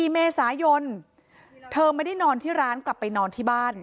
๔เมษายนเธอไม่ได้นอนที่ร้านกลับไปนอนที่บ้าน